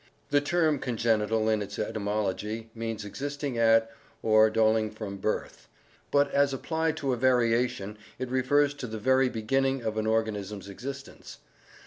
The term congenital in its etymology means exist ing at or doling from birth, but as applied to a variation it refers to the very beginning of an organism's existence.